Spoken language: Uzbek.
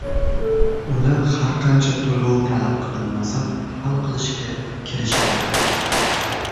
uni har qancha to‘lov talab qilinmasin hal qilishga kirishadi